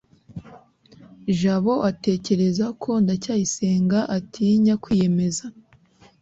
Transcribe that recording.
jabo atekereza ko ndacyayisenga atinya kwiyemeza